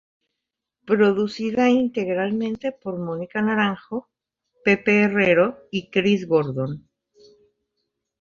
Producida integralmente por Mónica Naranjo, Pepe Herrero y Chris Gordon.